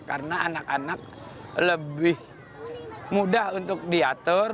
karena anak anak lebih mudah untuk diatur